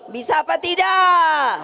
bisa apa tidak